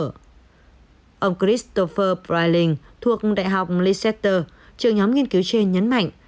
trong bộ phát triển covid một mươi chín thuộc đại học leicester trường nhóm nghiên cứu trên nhấn mạnh